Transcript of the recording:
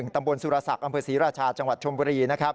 ตำบลสุรศักดิ์อำเภอศรีราชาจังหวัดชมบุรี